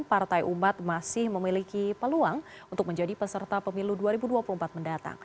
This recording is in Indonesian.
partai umat masih memiliki peluang untuk menjadi peserta pemilu dua ribu dua puluh empat mendatang